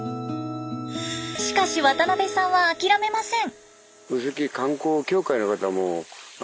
しかし渡邊さんは諦めません。